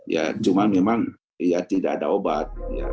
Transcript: ya cuma memang ya tidak ada obat